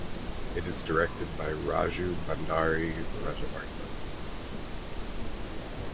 It is directed by Raju Bhandari Rajavartha.